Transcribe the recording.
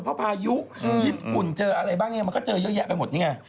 พอะบ่ายุอือยินดีหุ่นเจออะไรบ้างเนี้ยมันก็เจอเยอะแยะไปหมดเนี้ย